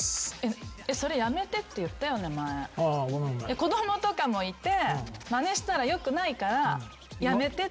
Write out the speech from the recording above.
子供とかもいてまねしたらよくないからやめてって。